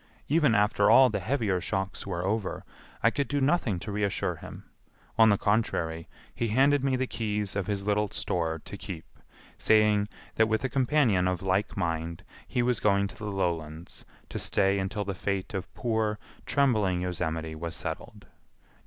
Even after all the heavier shocks were over I could do nothing to reassure him, on the contrary, he handed me the keys of his little store to keep, saying that with a companion of like mind he was going to the lowlands to stay until the fate of poor, trembling Yosemite was settled.